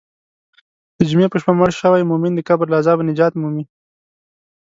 د جمعې په شپه مړ شوی مؤمن د قبر له عذابه نجات مومي.